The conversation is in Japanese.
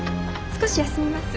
少し休みます。